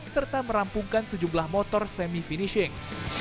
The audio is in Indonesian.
serta merampungkan sejumlah motor semi finishing